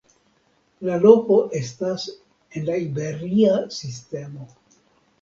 La loko estas en la Iberia Sistemo.